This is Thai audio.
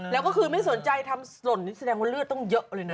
แล้วก็คือไม่สนใจทำหล่นนี่แสดงว่าเลือดต้องเยอะเลยนะ